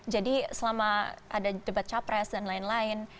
jadi selama ada debat capres dan lain lain